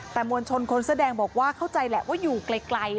แต่มวลชนคนเสื้อแดงบอกว่าเข้าใจแหละว่าอยู่ไกล